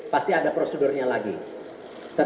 pasti ada prosedur yang harus diperlukan